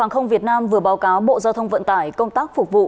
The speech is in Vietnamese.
hàng không việt nam vừa báo cáo bộ giao thông vận tải công tác phục vụ